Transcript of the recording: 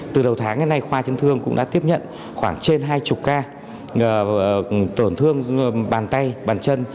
từ đầu tháng đến nay khoa chấn thương cũng đã tiếp nhận khoảng trên hai mươi ca tổn thương bàn tay bàn chân